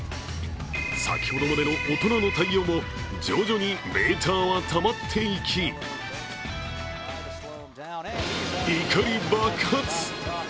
先ほどまでの大人の対応も徐々にメーターはたまっていき怒り爆発。